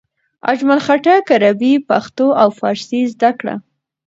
اجمل خټک عربي، پښتو او فارسي زده کړه.